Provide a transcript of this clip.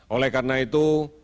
oleh karena itu